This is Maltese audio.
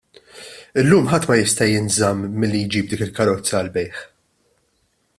Illum ħadd ma jista' jinżamm milli jġib dik il-karozza għall-bejgħ.